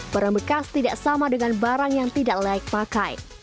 barang bekas tidak sama dengan barang yang tidak layak pakai